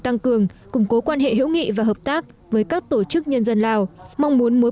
tăng cường củng cố quan hệ hữu nghị và hợp tác với các tổ chức nhân dân lào mong muốn mối